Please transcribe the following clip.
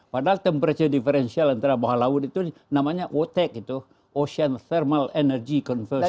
padahal temperature differential antara bawah laut itu namanya wotec ocean thermal energy conversion